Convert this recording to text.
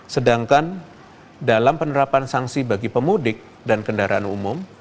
sedangkan dalam penerapan sanksi bagi pemudik dan kendaraan umum